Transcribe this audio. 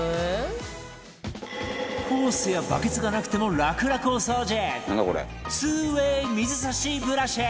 ホースやバケツがなくても楽々お掃除